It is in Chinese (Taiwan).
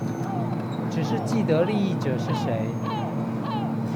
只是既得利益者是誰